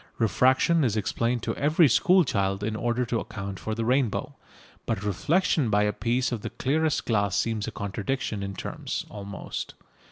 Refraction is explained to every school child in order to account for the rainbow. But reflection by a piece of the clearest glass seems a contradiction in terms almost.